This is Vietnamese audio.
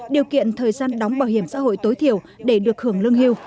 điều kiện thời gian đóng bảo hiểm xã hội tối thiểu để được hưởng lương hưu